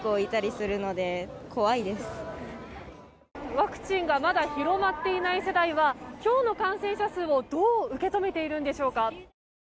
ワクチンがまだ広まっていない世代は今日の感染者数をどう受け止めているんでしょうか。